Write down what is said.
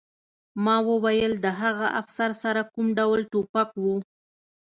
ما وویل د هغه افسر سره کوم ډول ټوپک و